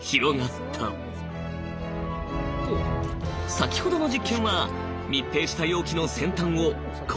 先ほどの実験は密閉した容器の先端をえっ今？